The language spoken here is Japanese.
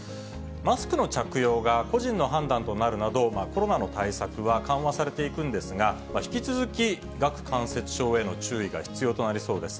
マスクの着用が個人の判断となるなど、コロナの対策は緩和されていくんですが、引き続き顎関節症への注意が必要となりそうです。